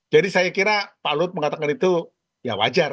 jadi saya kira pak luhut mengatakan itu ya wajar